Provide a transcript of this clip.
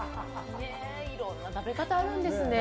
いろんな食べ方あるんですね。